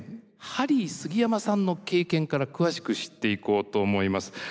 ハリー杉山さんの経験から詳しく知っていこうと思います。